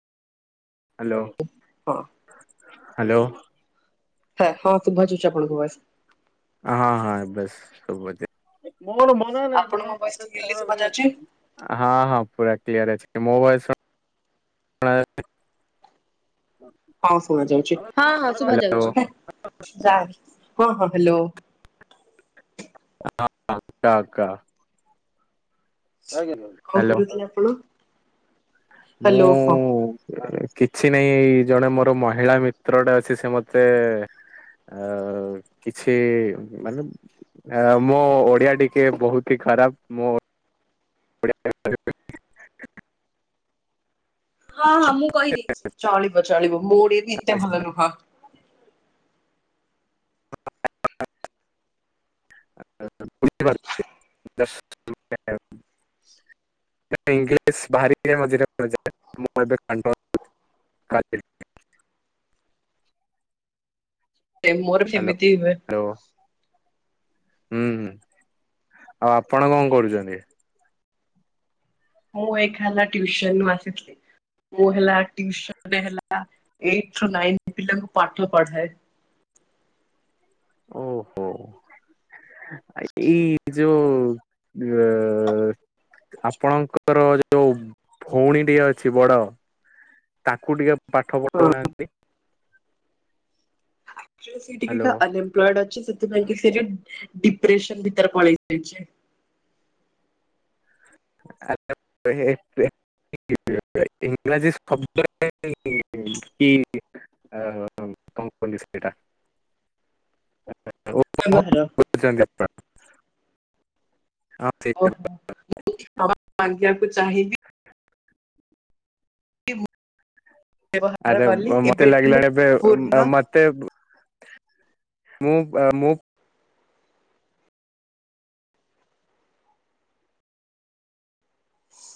Hello ହଁ hello ହେଁ ହଁ [unintelligible] ଆପଣଙ୍କ ମୋ ଭଏସ୍ କ୍ଲିୟରଲି ଶୁଭା ଯାଉଛି [inaudible] ହଁ ହଁ ପୁରା କ୍ଲିିୟର ଅଛି ମୋ [inaudible] ପ୍ଲାଏ ହଁ ଶୁଭା ଯାଉଛି ହଁ ହଁ ଶୁଦ୍ଭା ଯାଉଛି ହେଁ ଯାଆ ହଁ ହଁ ହ୍ୟାଲୋ। ହଁହାଁ ଟକ ଆଜ୍ଞା ଜଏଗୁରୁ। କଅଁ କରୁଥିଲେ ଆପଣ? ମୁଁ ହ୍ୟାଲୋ ହଁ। ହଁ କିଛି ନାହିଁ ଜଣେ ମୋର ମହିଳା ମିତ୍ରଟେ ଅଛି ସେ ମତେ ଆଉ କିଛି ମାନେ ଆଉ ମୋ ଓଡିଆ ଟିକେ ବହୁତି ଖରାପ ମୁଁ ଓ ଡି ଆ ହଁ ହଁ ମୁଁ କହିଦେଇଚି ଚଳିବ ଚଳିବ ମୋ ଓଡ଼ିଆ ବି ଏତେ ଭଲ ନୁହଁ। [unintelligible] ଏତେ ଇଂଲିଶ ବାହାରି ମଝିରେପଡୁଚି [unintelligible] ମୋର ହାଲୋ ସେମିତି ହୁଏ। ହ୍ୟାଲୋ। ଉଁ ହୁଁ ଆଉ ଆପଣ କଣ କରୁଚନ୍ତି? ମୁଁ ଏଖାନା ଟ୍ୟୁଶନ୍ ରୁ ଆସିଥିଲି। ମୁଁ ହେଲା ଟ୍ୟୁସନ ହେଲା ଏଇଟୁ ରୁ ନାଇନ ପିଲାଙ୍କୁ ପାଠ ପଢାଏ। [unintelligible] ଏ ଯୋ ଔ। ଆପଣଙ୍କର ଏ ଯୋଉ ଭଉଣୀଟିିଏ ଅଛି! ବଡ? ତାକୁ ଟିକେ ପାଠ ହଁ ପଢଉନାହାନ୍ତ ଯୋଉ ସେ ହ୍ୟାଲୋ। ଟିକେ ଅନଅମ୍ପଲେଡ଼େଏଛ! ସେଥିପାଇଁ କି ସେଟିକେ ଡିପ୍ରେସନ ଭିତରେ ପଳେଇଯାଇଚି। ଆ---ପେ ବେ। ଇ ଇଂରାଜୀ ଶବ୍ଦ ରେ ଇ----କି ହାଁ ଉ କଣ କହିଲୁ ସେଇଟା? [unintelligible] ଉଁ ଉଁ ଉଁ ବ୍ୟବହାର କଣ କହୁଛନ୍ତି ଆପଣ? ହଁ ଥି। ଓ ମୁଁ--ମ ପାଣ୍ଡୀଆନକୁ ଚାହିଁବି। କି ମୁଁ [unintelligible] ବ୍ୟବହାର କଲି ଆରବ ମତେ ଏବେଠୁ ଲାଗିଲାନି ଏବେ ପୂର୍ଣ୍ଣ -ବେ-ମତ। ତେବ୍ ମୁଁ ଆ ମୁଁ